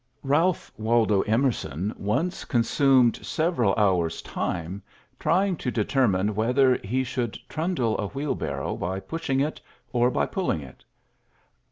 Ralph Waldo Emerson once consumed several hours' time trying to determine whether he should trundle a wheelbarrow by pushing it or by pulling it.